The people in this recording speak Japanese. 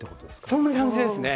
そんな感じですね。